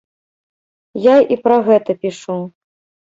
Я і пра гэта пішу.